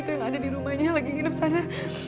itu yang ada di rumahnya lagi nginep sana